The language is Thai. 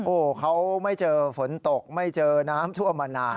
โอ้โหเขาไม่เจอฝนตกไม่เจอน้ำท่วมมานาน